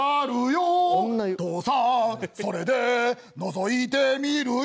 「父さんそれでのぞいてみるよ」